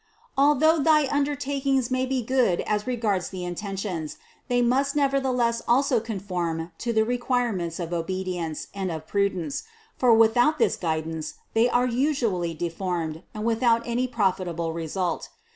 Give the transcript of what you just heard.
Although thy undertak ings may be good as regards the intentions, they must nevertheless also conform to the requirements of obe dience and of prudence, for without this guidance they are usually deformed and without any profitable result.